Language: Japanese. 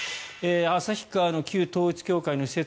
旭川の旧統一教会の施設